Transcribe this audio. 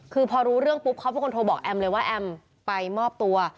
คือพอรู้เรื่องปุ๊บเขาเป็นคนโทรบอกแอมเลยว่าแอมไปมอบตัว